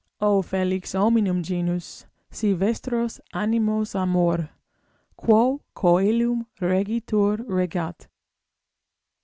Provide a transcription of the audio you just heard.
O felix hominum genus, Si vestros animos amor Quo coelum regitur regat!